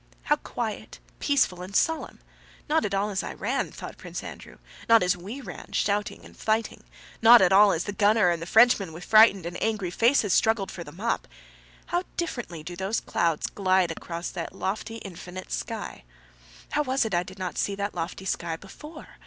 "How quiet, peaceful, and solemn; not at all as I ran," thought Prince Andrew—"not as we ran, shouting and fighting, not at all as the gunner and the Frenchman with frightened and angry faces struggled for the mop: how differently do those clouds glide across that lofty infinite sky! How was it I did not see that lofty sky before?